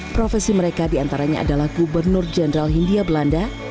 profesi mereka diantaranya adalah gubernur jenderal hindia belanda